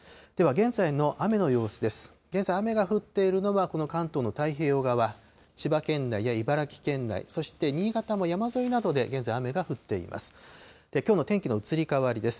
現在、雨が降っているのは、この関東の太平洋側、千葉県内や茨城県内、そして新潟も山沿いなどで現在、雨が降っています。